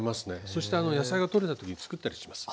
そして野菜がとれた時に作ったりします。